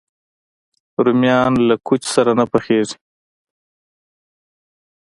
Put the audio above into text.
رومیان له کوچ سره نه پخېږي